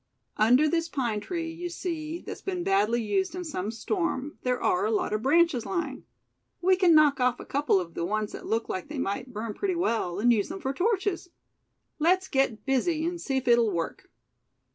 "Under this pine tree, you see, that's been badly used in some storm, there are a lot of branches lying. We can knock off a couple of the ones that look like they might burn pretty well, and use 'em for torches. Let's get busy and see if it'll work."